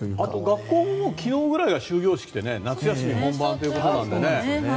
学校も昨日ぐらいが終業式で夏休み本番ということなので。